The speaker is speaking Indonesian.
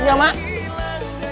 iya mak baru mau jalan mak